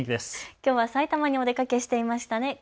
きょうは埼玉にお出かけしていましたね。